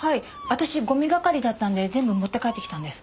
私ゴミ係だったんで全部持って帰ってきたんです。